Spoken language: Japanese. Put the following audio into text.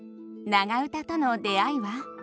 長唄との出会いは？